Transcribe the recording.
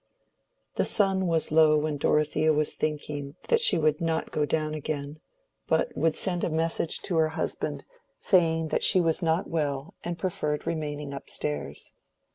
The sun was low when Dorothea was thinking that she would not go down again, but would send a message to her husband saying that she was not well and preferred remaining up stairs.